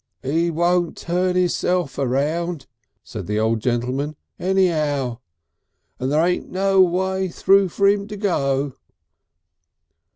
"'E won't turn 'isself round," said the old gentleman, "anyow. And there ain't no way through for 'im to go."